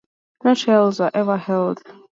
No trials were ever held.